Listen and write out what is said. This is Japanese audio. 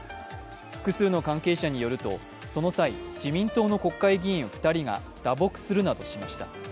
複数の関係者によると、その際、自民党の国会議員２人が打撲するなどしました。